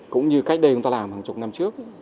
cũng như cách đây chúng ta làm hàng chục năm trước